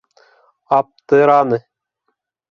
Аптыраны.